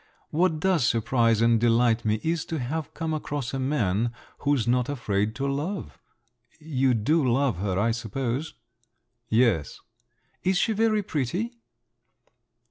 What does surprise and delight me is to have come across a man who's not afraid to love. You do love her, I suppose?" "Yes." "Is she very pretty?"